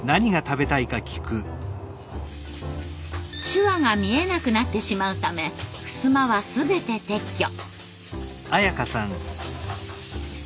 手話が見えなくなってしまうためふすまは全て撤去。